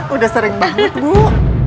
udah sering banget bu